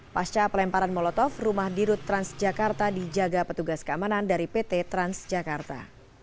pasca pelemparan molotov rumah direktur utama pt transjakarta dijaga petugas keamanan dari pt transjakarta